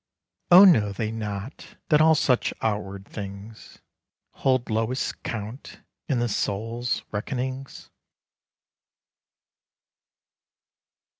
O know they not that all such outward things Hold lowest count in the soul's reckonings?